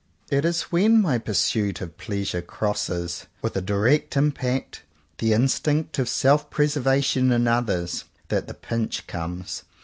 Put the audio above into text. It is when my pursuit of pleasure crosses, with a direct impact, the instinct of self preservation in others, that the pinch comes.